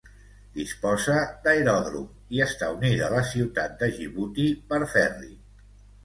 Disposa d'aeròdrom i està unida a la ciutat de Djibouti per ferri.